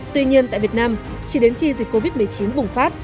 tuy nhiên tại việt nam chỉ đến khi dịch covid một mươi chín bùng phát